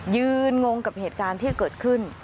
งงกับเหตุการณ์ที่เกิดขึ้น